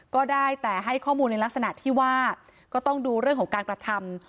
ก็ได้แต่ให้ข้อมูลในลักษณะที่ว่าก็ต้องดูเรื่องของการกระทำ